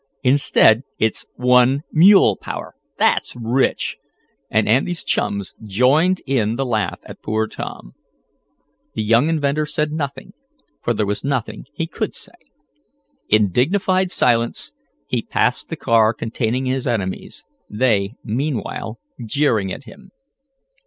Instead it's one mule power! That's rich!" and Andy's chums joined in the laugh at poor Tom. The young inventor said nothing, for there was nothing he could say. In dignified silence he passed the car containing his enemies, they, meanwhile, jeering at him.